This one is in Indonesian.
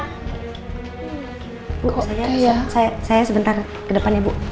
bu saya sebentar ke depannya bu